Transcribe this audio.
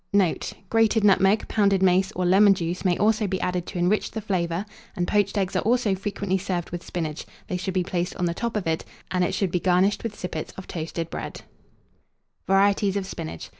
Note. Grated nutmeg, pounded mace, or lemon juice may also be added to enrich the flavour; and poached eggs are also frequently served with spinach: they should be placed on the top of it, and it should be garnished with sippets of toasted bread. See coloured plate U. VARIETIES OF SPINACH.